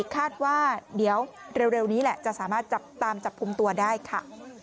คาดว่าเดี๋ยวเร็วนี้แหละจะสามารถจับตามจับกลุ่มตัวได้ค่ะ